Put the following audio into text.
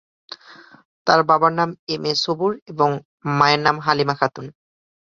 তার বাবার নাম এম, এ সবুর এবং মায়ের নাম হালিমা খাতুন।